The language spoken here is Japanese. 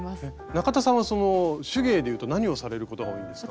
中田さんはその手芸でいうと何をされることが多いんですか？